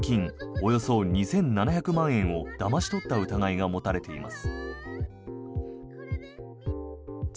およそ２７００万円をだまし取った疑いが持たれています。